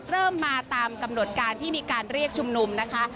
เริ่มมาตามกำหนดการที่มีการเรียกชุมนุมนะคะ